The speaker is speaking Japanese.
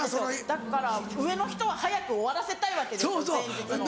だから上の人は早く終わらせたいわけですよ前日の。